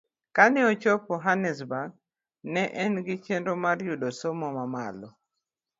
Kane ochopo Hannesburg, ne en gi chenro mar yudo somo mamalo.